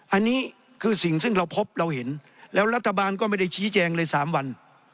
อันนี้คือสิ่งซึ่งเราพบเราเห็นแล้วรัฐบาลก็ไม่ได้ชี้แจงเลย๓วัน